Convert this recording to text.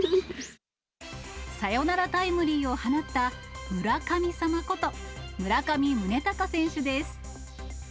サヨナラタイムリーを放った村神様こと、村上宗隆選手です。